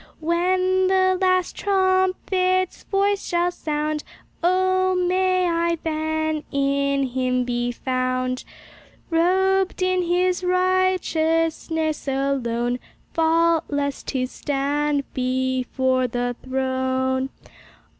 When the last trumpet's voice shall sound, Oh, may I then in Him be found; Robed in His righteousness alone, Faultless to stand before the throne.